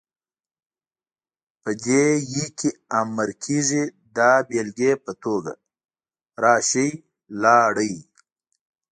په دې ئ کې امر کيږي، دا بيلګې په توګه ، راشئ، لاړئ،